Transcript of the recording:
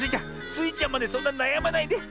スイちゃんまでそんななやまないで。